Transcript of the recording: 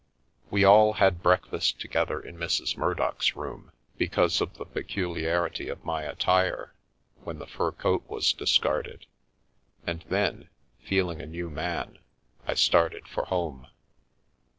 We all had breakfast together in Mrs. Murdock's room, because of the peculiarity of my attire when the fur coat was discarded, and then, feeling a new man, I started for home.